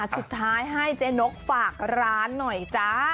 สุดท้ายให้เจ๊นกฝากร้านหน่อยจ้า